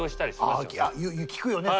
聞くよね